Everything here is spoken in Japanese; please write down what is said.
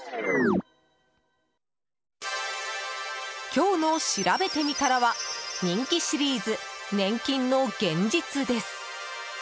今日のしらべてみたらは人気シリーズ、年金の現実です。